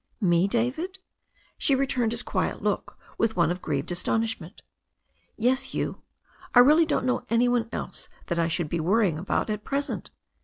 "Me, David?" She returned his quiet look with one of grieved astonishment. "Yes, you. I really don't know any one else that I should be worrying about at present."